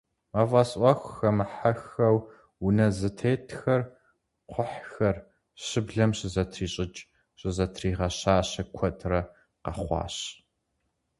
Мафӏэс ӏуэху хэмыхьэххэу, унэ зэтетхэр, кхъухьхэр, щыблэм щызэтрищӏыкӏ, щызэтригъэщащэ куэдрэ къэхъуащ.